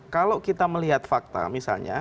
kalau kita melihat fakta misalnya